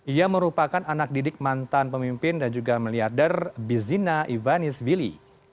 ia merupakan anak didik mantan pemimpin dan juga meliader bizina ivanisvili